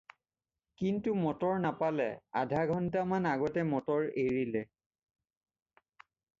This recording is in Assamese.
কিন্তু মটৰ নাপালে, আধাঘণ্টামান আগতে মটৰ এৰিলে।